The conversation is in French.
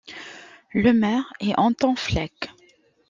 Le maire est Anton Fleck.